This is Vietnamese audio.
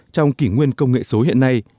trong kỷ nguyên công nghệ số hiện nay